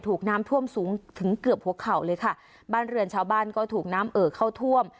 ถูกน้ำท่วมสูงถึงเกือบหัวเข่าเลยค่ะบ้านเรือนชาวบ้านก็ถูกน้ำเอ่อเข้าท่วม